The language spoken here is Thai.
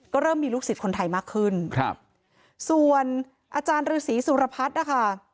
ก็เริ่มมีลูกศิษย์คนไทยมากขึ้นครับส่วนอาจารย์ฤษีสุรพัฒน์นะคะ